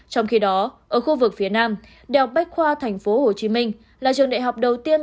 trong khi đó ở khu vực phía nam đại học bách khoa tp hồ chí minh là trường đại học đầu tiên